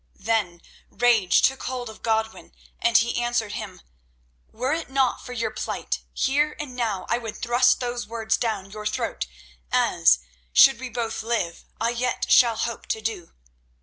Then rage took hold of Godwin and he answered him: "Were it not for your plight, here and now I would thrust those words down your throat, as, should we both live, I yet shall hope to do.